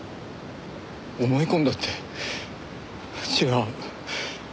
思い込んだって違う。